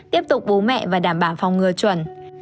tiếp tục bố mẹ và đảm bảo phòng ngừa chuẩn